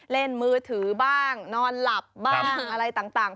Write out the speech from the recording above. เล่นมือถือบ้างนอนหลับบ้างอะไรต่าง